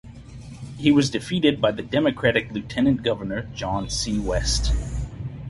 He was defeated by the Democratic lieutenant governor, John C. West.